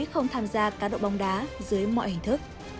hãy đăng ký kênh để ủng hộ kênh của mình nhé